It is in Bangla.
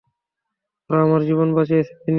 ওরা আমার জীবন বাঁচিয়েছে, ম্যানি।